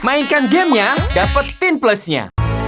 mainkan gamenya dapetin plusnya